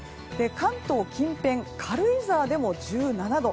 関東近辺、軽井沢でも１７度。